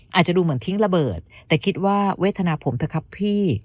อาจจะดูเหมือนทิ้งระเบิดแต่คิดว่าเวทนาผมเถอะครับพี่